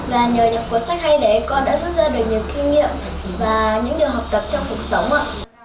và nhờ những cuốn sách hay đấy con đã rút ra được nhiều kinh nghiệm và những điều học tập trong cuộc sống ạ